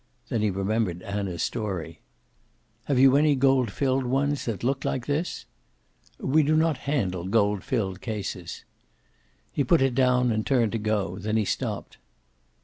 Then he remembered Anna's story. "Have you any gold filled ones that look like this?" "We do not handle gold filled cases." He put it down, and turned to go. Then he stopped.